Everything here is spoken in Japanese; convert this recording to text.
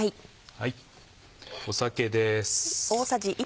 酒です。